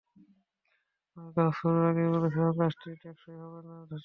আমি কাজ শুরুর আগেই বলেছিলাম কাজটি টেকসই হবে না, ধসে যাবে।